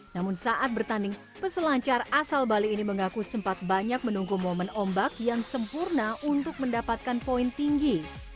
namun saat bertanding peselancar asal bali ini mengaku sempat banyak menunggu momen ombak yang sempurna untuk mendapatkan poin tinggi